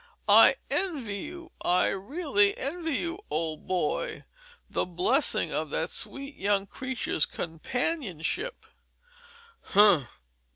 I envy you, I really envy you, old boy, the blessing of that sweet young creature's constant companionship."